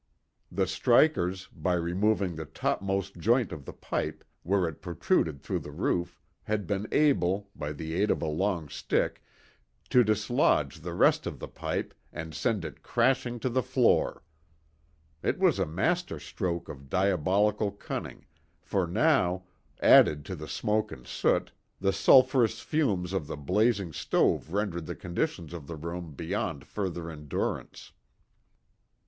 The strikers, by removing the topmost joint of the pipe, where it protruded through the roof, had been able, by the aid of a long stick, to dislodge the rest of the pipe and send it crashing to the floor. It was a master stroke of diabolical cunning, for now, added to the smoke and soot, the sulphurous fumes of the blazing stove rendered the conditions of the room beyond further endurance.